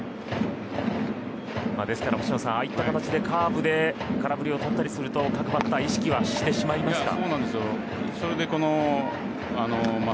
ですから星野さんああいう形でカーブで空振りを取ったりするとバッターは意識してしまいますか。